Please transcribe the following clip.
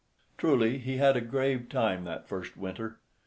Truly he had a grave time that first winter.